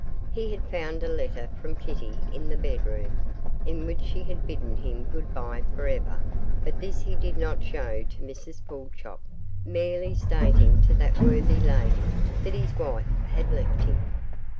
He had found a letter from Kitty in the bedroom, in which she had bidden him good bye for ever, but this he did not show to Mrs Pulchop, merely stating to that worthy lady that his 'wife' had left him.